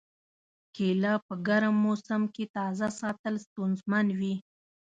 کېله په ګرم موسم کې تازه ساتل ستونزمن وي.